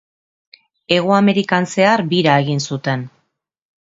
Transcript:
Hego Amerikan zehar bira egin zuten.